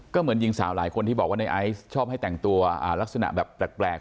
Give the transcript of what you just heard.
ก็เหมือนหญิงสาวหลายคนที่บอกว่าในไอซ์ชอบให้แต่งตัวลักษณะแบบแปลก